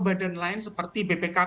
badan lain seperti bpkp